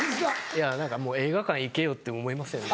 いや何かもう「映画館行けよ」って思いますよね。